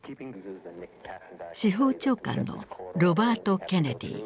司法長官のロバート・ケネディ。